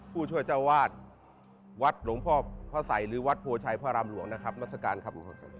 ผู้ช่วยเจ้าวาดวัดหลวงพ่อพระสัยหรือวัดโพชัยพระรามหลวงนะครับมัศกาลครับ